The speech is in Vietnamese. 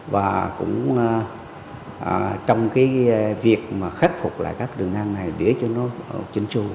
và cũng trong cái việc mà khách phục lại các đường ngang này để cho nó chính xuôi